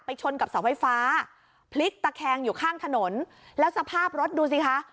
ชนกับเสาไฟฟ้าพลิกตะแคงอยู่ข้างถนนแล้วสภาพรถดูสิคะ